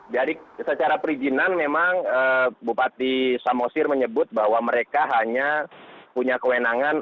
jadi secara perizinan memang bupati samosir menyebut bahwa mereka hanya punya kewenangan